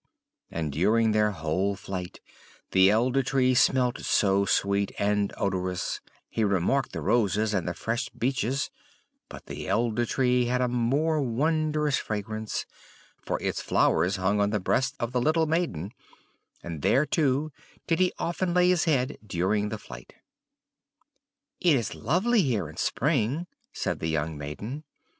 And during their whole flight the Elder Tree smelt so sweet and odorous; he remarked the roses and the fresh beeches, but the Elder Tree had a more wondrous fragrance, for its flowers hung on the breast of the little maiden; and there, too, did he often lay his head during the flight. "It is lovely here in spring!" said the young maiden.